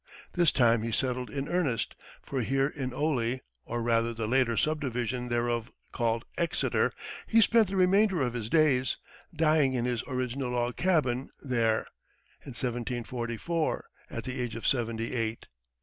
This time he settled in earnest, for here in Oley or rather the later subdivision thereof called Exeter he spent the remainder of his days, dying in his original log cabin there, in 1744, at the age of seventy eight.